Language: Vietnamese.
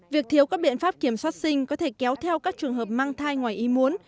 việc thiếu các biện pháp kiểm soát sinh có thể kéo theo các trường hợp mang thai ngoài ý muốn